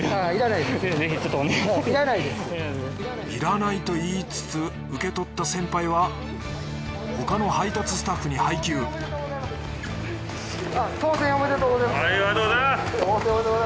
いらないと言いつつ受け取った先輩は他の配達スタッフに配給はいありがとうございます。